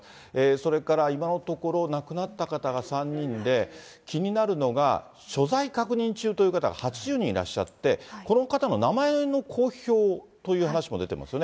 それから今のところ、亡くなった方が３人で、気になるのが、所在確認中という方が８０人いらっしゃってって、この方の名前の公表という話も出てますよね。